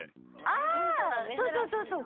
あそうそうそうそう。